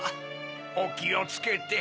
おきをつけて。